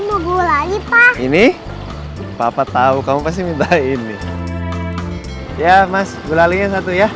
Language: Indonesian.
pak mau gue lagi pak ini papa tahu kamu pasti minta ini ya mas gue lagi satu ya